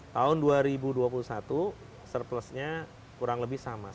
tahun dua ribu dua puluh satu surplusnya kurang lebih sama